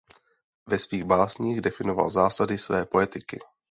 Ve svých básních definoval zásady své poetiky.